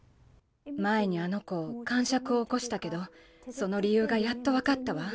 前にあの子かんしゃくをおこしたけどその理ゆうがやっとわかったわ。